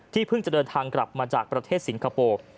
เพิ่งจะเดินทางกลับมาจากประเทศสิงคโปร์